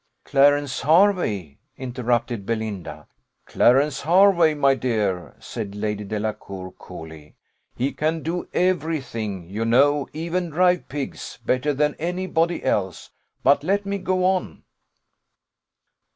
'" "Clarence Hervey!" interrupted Belinda. "Clarence Hervey, my dear," said Lady Delacour, coolly: "he can do every thing, you know, even drive pigs, better than any body else! but let me go on.